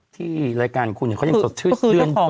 ที่รายการคุณเขายังสดชื่อเซียงตรงเดียวก่อน